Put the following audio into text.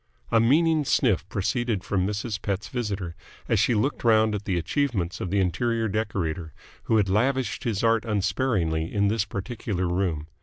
A meaning sniff proceeded from Mrs. Pett's visitor as she looked round at the achievements of the interior decorator, who had lavished his art unsparingly in this particular room.